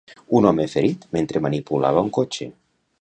Un home ferit mentre manipulava un cotxe.